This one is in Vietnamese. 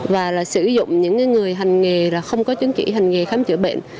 và sử dụng những người hành nghề là không có chứng chỉ hành nghề khám chữa bệnh